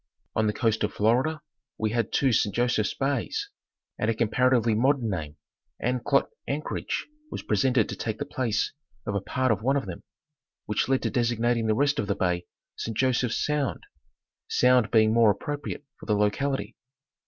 On the coast of Florida we had two Saint Joseph's Bays, and a comparatively modern name, " Anclote Anchorage," was presented to take the place of a part of one of them, which led to designating the rest of the bay " Saint Joseph's Sound," Sound being more appropri ate for the locality.